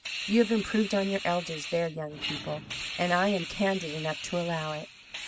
You have improved on your elders there, young people, and I am candid enough to allow it.